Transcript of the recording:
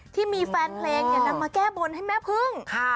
ที่มีแฟนเพลงอย่างนั้นมาแก้บนให้แม่พึ่ง